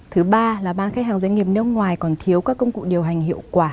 thứ ba là ba khách hàng doanh nghiệp nước ngoài còn thiếu các công cụ điều hành hiệu quả